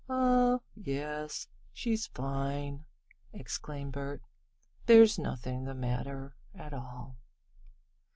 "Oh, yes, she's fine!" exclaimed Bert "There's nothing the matter at all."